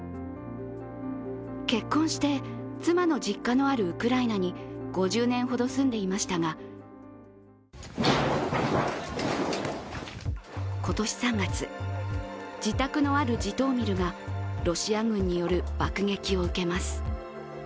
結婚して妻の実家のあるウクライナに５０年ほど住んでいましたが今年３月、自宅のあるジトーミルがロシア軍による爆撃を受けます。